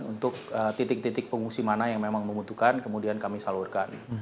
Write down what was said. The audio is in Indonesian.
untuk titik titik pengungsi mana yang memang membutuhkan kemudian kami salurkan